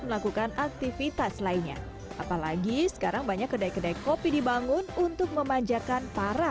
melakukan aktivitas lainnya apalagi sekarang banyak kedai kedai kopi dibangun untuk memanjakan para